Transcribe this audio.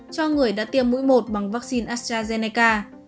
cho người đã tiêm mũi một bằng vaccine astrazeneca